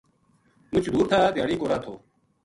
مُچ دُور تھا دھیاڑی کو راہ تھو